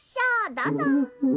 どうぞ。